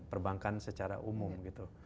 perbankan secara umum gitu